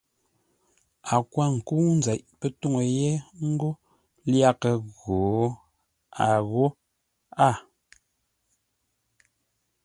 A kwo ńkə́u nzeʼ pə́ tuŋu yé ngô lyaghʼə ghǒ ? a ghó a.